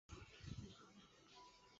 石川县出身。